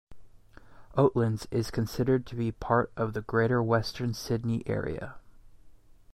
Oatlands is considered to be part of the Greater Western Sydney area.